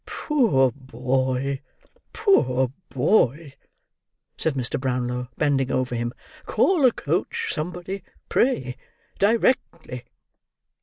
"Poor boy, poor boy!" said Mr. Brownlow, bending over him. "Call a coach, somebody, pray. Directly!"